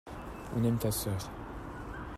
On aime ta sœur.